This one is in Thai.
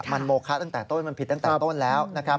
มันโมคะตั้งแต่ต้นมันผิดตั้งแต่ต้นแล้วนะครับ